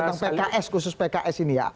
tentang pks khusus pks ini ya